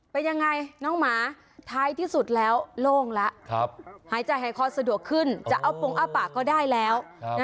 เป็นยังไงน้องหมาท้ายที่สุดแล้วโล่งแล้วหายใจหายคอสะดวกขึ้นจะเอาโปรงอ้าปากก็ได้แล้ว